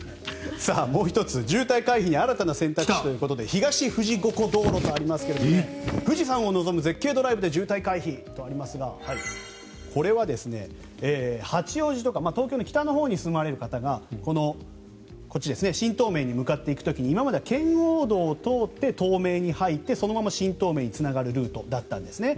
もう１つ、渋滞回避に新たな選択肢ということで東富士五湖道路とありますが富士山を望む絶景ドライブで渋滞回避とありますがこれは八王子とか東京の北のほうに住まわれる方がこっち新東名に向かっていく時に今までは圏央道を通って東名に入ってそのまま新東名につながるルートだったんですね。